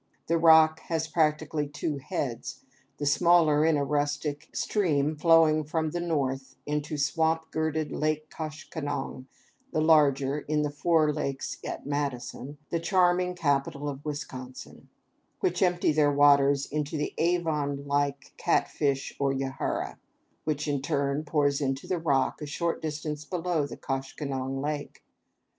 The Rock has practically two heads: the smaller, in a rustic stream flowing from the north into swamp girted Lake Koshkonong; the larger, in the four lakes at Madison, the charming capital of Wisconsin, which empty their waters into the Avon like Catfish or Yahara, which in turn pours into the Rock a short distance below the Koshkonong lake.